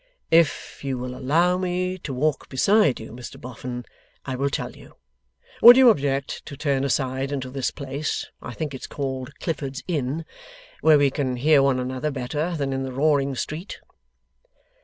'If you will allow me to walk beside you, Mr Boffin, I will tell you. Would you object to turn aside into this place I think it is called Clifford's Inn where we can hear one another better than in the roaring street?